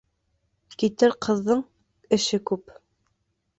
Китер ҡыҙҙың эше күп.